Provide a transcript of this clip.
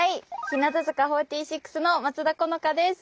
日向坂４６の松田好花です。